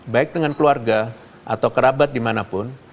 baik dengan keluarga atau kerabat dimanapun